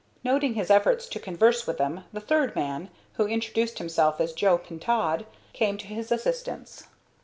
Noting his efforts to converse with them, the third man, who introduced himself as Joe Pintaud, came to his assistance.